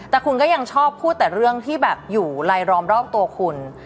แต่คุณก็ยังชอบพูดแต่เรื่องที่แบบอยู่ลายรอมรอบตัวคุณ